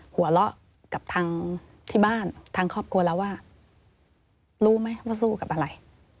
หัวเราะกับทางที่บ้านทางครอบครัวเราว่ารู้ไหมว่าสู้กับอะไร